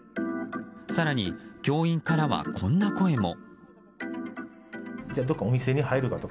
更に、教員からはこんな声も。